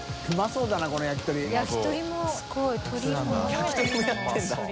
焼き鳥もやってるんだ